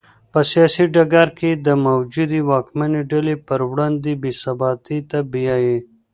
په سیاسي ډګر کې د موجودې واکمنې ډلې پر وړاندې بې ثباتۍ ته بیايي.